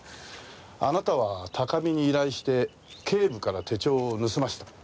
あなたは高見に依頼して警部から手帳を盗ませた。